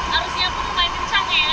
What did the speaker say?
harusnya pun lumayan kencang ya